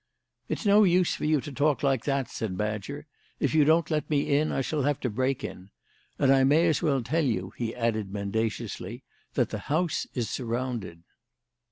"It's no use for you to talk like that," said Badger. "If you don't let me in I shall have to break in. And I may as well tell you," he added mendaciously, "that the house is surrounded."